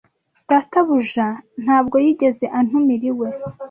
Databuja ntabwo yigeze antumira iwe.